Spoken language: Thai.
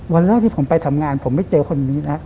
วันแรกที่ผมไปทำงานผมไม่เจอคนนี้นะ